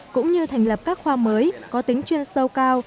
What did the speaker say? cũng như thành lập các khoa mới có tính chuyên sâu cao